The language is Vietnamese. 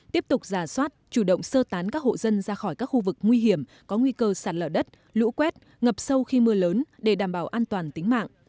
tiếp tục giả soát chủ động sơ tán các hộ dân ra khỏi các khu vực nguy hiểm có nguy cơ sạt lở đất lũ quét ngập sâu khi mưa lớn để đảm bảo an toàn tính mạng